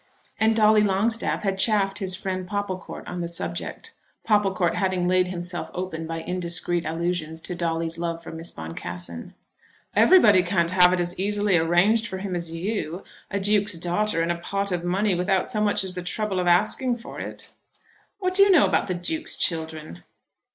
And Dolly Longstaff had chaffed his friend Popplecourt on the subject, Popplecourt having laid himself open by indiscreet allusions to Dolly's love for Miss Boncassen. "Everybody can't have it as easily arranged for him as you, a Duke's daughter and a pot of money without so much as the trouble of asking for it!" "What do you know about the Duke's children?"